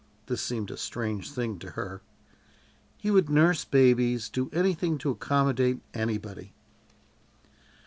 (This seemed a strange thing to her.) "He would nurse babies do anything to accommodate anybody."